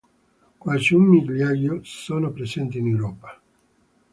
Quasi un migliaio sono presenti in Europa.